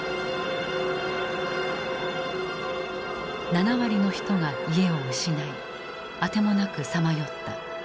７割の人が家を失い当てもなくさまよった。